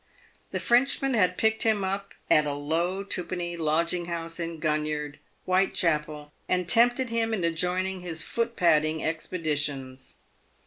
The Frenchman had picked him up at a low twopenny lodging house in Gun yard, "Whitechapel, and tempted him into joining his foot padding expeditions.